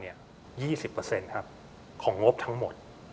๒๐ครับของงบทั้งหมด